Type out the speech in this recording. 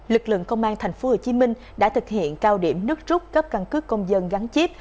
lực lượng công an tp hcm đã thực hiện cao điểm nước rút cấp căn cước công dân gắn chip